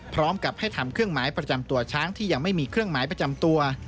พร้อมกับให้ทำเครื่องหมายประจำตัวช้างที่ยังไม่มีเครื่องหมายประจำตัว